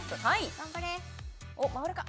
頑張れ回るか？